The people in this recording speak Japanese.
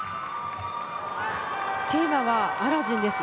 テーマは「アラジン」です。